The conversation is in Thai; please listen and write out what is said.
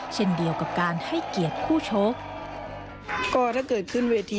เช่นเดียวกับการให้เกียรตย์คู่ชก